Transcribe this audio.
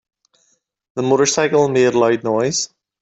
The motorcycle made loud noise.